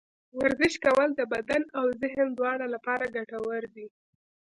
ورزش کول د بدن او ذهن دواړه لپاره ګټور دي.